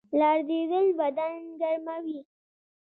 لړزیدل بدن ګرموي